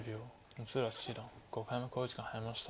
六浦七段５回目の考慮時間に入りました。